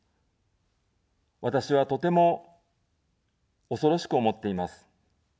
私は、とても恐ろしく思っています。